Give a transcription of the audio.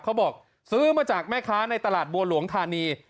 เขาบอกซื้อมาจากแม่ค้าในตลาดบัวหลวงธานี